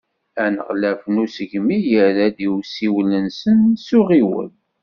Aneɣlaf n usegmi, yerra-d i usiwel-nsen s uɣiwel.